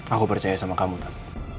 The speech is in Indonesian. aku percaya sama kamu tuh